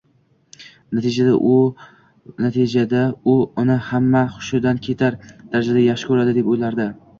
Natijada u uni hamma xushidan ketar darajada yaxshi ko‘radi deb o'ylardi.